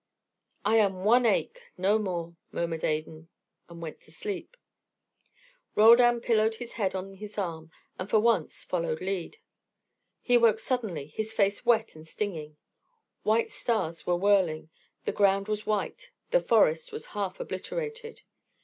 "I am one ache, no more," murmured Adan, and went to sleep. Roldan pillowed his head on his arm and for once followed lead. He awoke suddenly, his face wet and stinging. White stars were whirling, the ground was white, the forest was half obliterated.